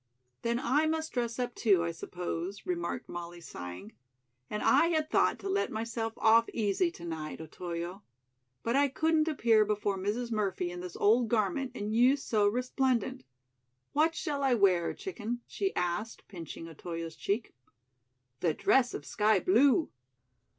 "Then I must dress up, too, I suppose," remarked Molly, sighing, "and I had thought to let myself off easy to night, Otoyo. But I couldn't appear before Mrs. Murphy in this old garment and you so resplendent. What shall I wear, chicken?" she asked, pinching Otoyo's cheek. "The dress of sky blue."